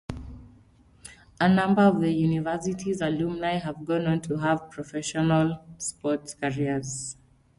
A number of the university's alumni have gone on to have professional sports careers.